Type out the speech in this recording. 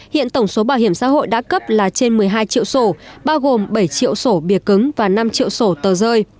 hiện tổng số bảo hiểm xã hội đã cấp là trên một mươi hai triệu sổ bao gồm bảy triệu sổ bìa cứng và năm triệu sổ tờ rơi